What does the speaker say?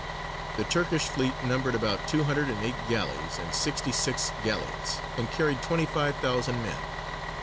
The Turkish fleet numbered about two hundred and eight galleys and sixty six galleots, and carried twenty five thousand men.